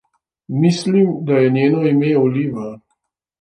Mislim, da je njeno ime Oliva.